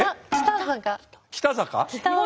北坂？